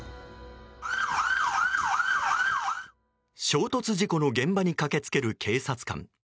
衝突事故の現場に駆け付ける警察官。